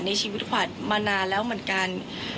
ในชีวิตขวัญมานานแล้วเหมือนกัน